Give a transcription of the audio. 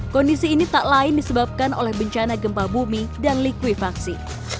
kondisi ini tak lain disebabkan oleh bencana gempa bumi dan likuifaksi